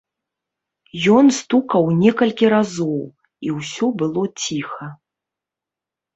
Ён стукаў некалькі разоў, і ўсё было ціха.